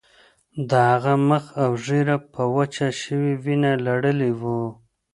د هغه مخ او ږیره په وچه شوې وینه لړلي وو